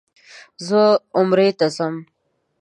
زه عمرې ته ځم.